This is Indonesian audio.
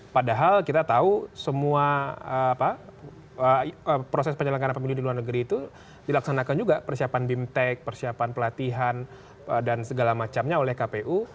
padahal kita tahu semua proses penyelenggara pemilu di luar negeri itu dilaksanakan juga persiapan bimtek persiapan pelatihan dan segala macamnya oleh kpu